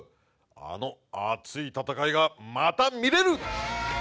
あの熱い戦いが、また見れる。